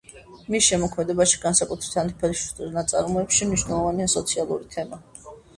მის შემოქმედებაში, განსაკუთრებით ანტიფაშისტურ ნაწარმოებებში, მნიშვნელოვანია სოციალური თემა.